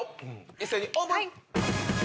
一斉にオープン。